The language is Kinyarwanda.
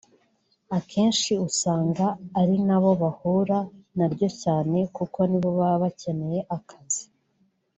Akenshi usanga ari na bo bahura na ryo cyane kuko ni bo baba bakeneye akazi